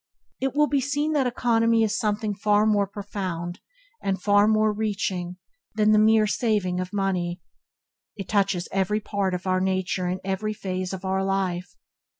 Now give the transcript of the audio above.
It will be seen that economy is something far more profound and far reaching than the mere saving of money. It touches every part of our nature and every phase of our life.